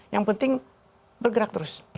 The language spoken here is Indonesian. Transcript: yang penting bergerak terus